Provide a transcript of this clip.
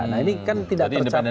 nah ini kan tidak tercapai